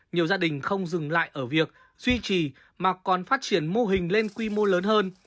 nhiều gia đình không dừng lại ở việc duy trì mà còn phát triển mô hình lên quy mô lớn hơn